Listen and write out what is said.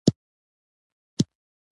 لنډکي برېتونه يې وګرول.